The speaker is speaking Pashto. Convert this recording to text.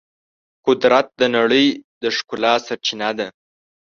قدرت د نړۍ د ښکلا سرچینه ده.